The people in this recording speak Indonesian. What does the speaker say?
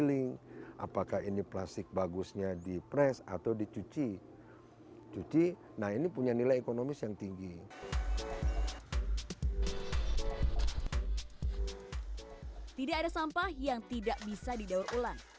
tidak ada sampah yang tidak bisa didaur ulang